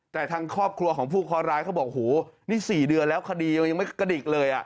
แต่ทางครอบครัวของผู้เคาะร้ายเขาบอกโหนี่๔เดือนแล้วคดียังไม่กระดิกเลย